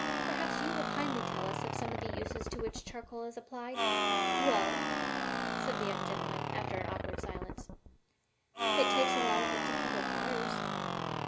Perhaps you will kindly tell us of some of the uses to which charcoal is applied?" "Well," said the young gentleman, after an awkward silence, "it takes lots of it to kindle fires."